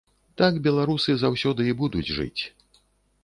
Так беларусы заўсёды і будуць жыць.